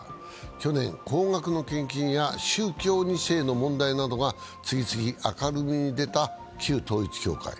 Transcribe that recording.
去年、高額の献金や宗教２世の問題などが次々明るみに出た旧統一教会。